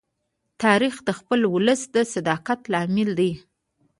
تاریخ د خپل ولس د صداقت لامل دی.